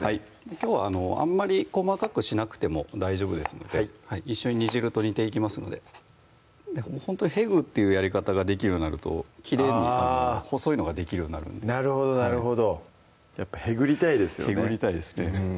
きょうあんまり細かくしなくても大丈夫ですので一緒に煮汁と煮ていきますのでほんとにへぐっていうやり方ができるようになるときれいに細いのができるようになるんでなるほどなるほどやっぱへぐりたいですよねへぐりたいですね